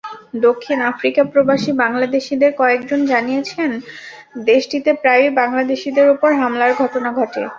দক্ষিণ আফ্রিকাপ্রবাসী বাংলাদেশিদের কয়েকজন জানিয়েছেন, দেশটিতে প্রায়ই বাংলাদেশিদের ওপর হামলার ঘটনা ঘটে।